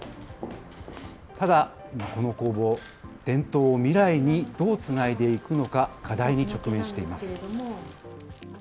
ただ、この工房、伝統を未来にどうつないでいくのか、課題に直面しています。